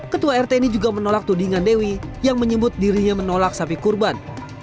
ketua rt ini juga menolak tudingan dewi yang menyebut dirinya menolak sapi kurban